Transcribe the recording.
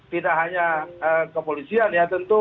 tidak hanya kepolisian ya tentu